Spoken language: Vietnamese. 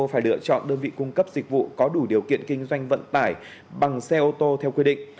phải lựa chọn đơn vị cung cấp dịch vụ có đủ điều kiện kinh doanh vận tải bằng xe ô tô theo quy định